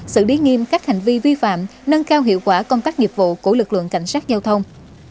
xử lý nghiêm các hành vi vi phạm nâng cao hiệu quả công tác nghiệp vụ của lực lượng cảnh sát giao thông